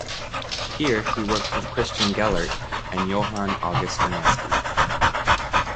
Here he worked with Christian Gellert and Johann August Ernesti.